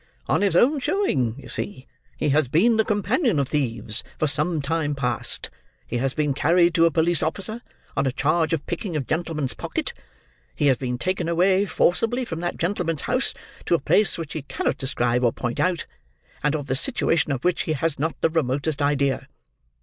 On his own showing, you see, he has been the companion of thieves for some time past; he has been carried to a police officer, on a charge of picking a gentleman's pocket; he has been taken away, forcibly, from that gentleman's house, to a place which he cannot describe or point out, and of the situation of which he has not the remotest idea.